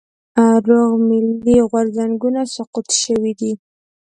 روغ ملي غورځنګونه سقوط شوي دي.